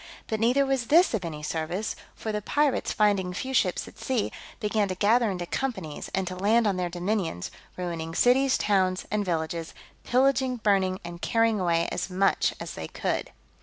But neither was this of any service; for the pirates, finding few ships at sea, began to gather into companies, and to land on their dominions, ruining cities, towns, and villages; pillaging, burning, and carrying away as much as they could.